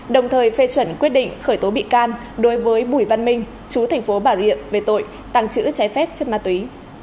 đồng thời phê chuẩn quyết định khởi tố bị can đối với bùi văn minh chú thành phố bà rịa về tội tăng trữ trái phép chất ma túy